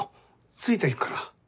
ついていくから。